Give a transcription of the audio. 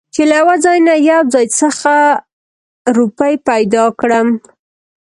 چې له يوه ځاى نه يو ځاى خڅه روپۍ پېدا کړم .